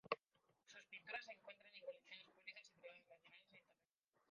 Sus pinturas se encuentran en Colecciones Públicas y privadas nacionales e internacionales.